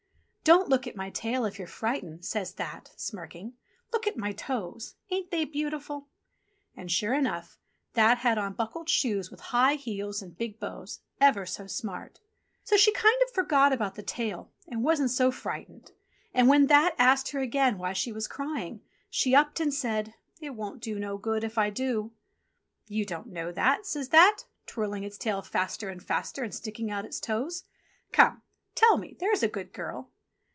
"Don't look at my tail if you're frightened," says That, smirking. "Look at my toes. Ain't they beautiful?" And sure enough That had on buckled shoes with high heels and big bows, ever so smart. So she kind of forgot about the tail, and wasn't so fright ened, and when That asked her again why she was crying, she upped and said, "It won't do no good if I do." "You don't know that," says That, twirling its tail faster and faster, and sticking out its toes. "Come, tell me, there's a good girl."